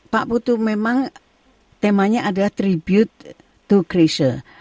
pak putu memang temanya adalah tribute to creasure